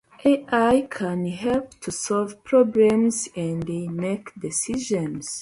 They also felt a disconnect between the black men's suffering and oppression.